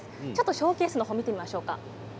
ショーケースの方を見ていきましょうか。